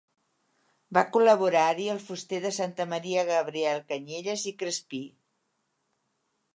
Va col·laborar-hi el fuster de Santa Maria Gabriel Canyelles i Crespí.